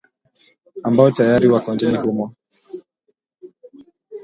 ambao tayari wako nchini humo